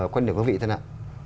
quan điểm của quý vị thế nào